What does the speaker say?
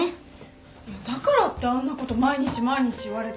だからってあんなこと毎日毎日言われて